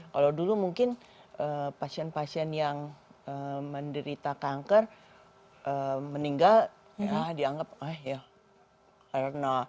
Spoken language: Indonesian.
kalau dulu mungkin pasien pasien yang menderita kanker meninggal ya dianggap eh ya i don't know